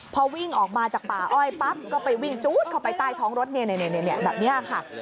พอวิ่งออกมาจากป่าอ้อยปั๊บก็ไปวิ่งจู๊ดเข้าไปใต้ท้องรถแบบนี้ค่ะ